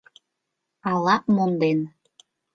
Ала монден.